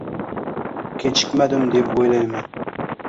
Kechikmadim deb o'ylayman.